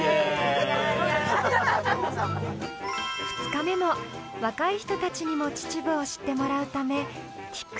２日目も若い人たちにも秩父を知ってもらうため長っ！